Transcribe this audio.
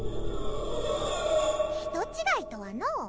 人違いとはのう。